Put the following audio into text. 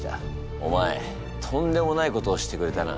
お前とんでもないことをしてくれたな。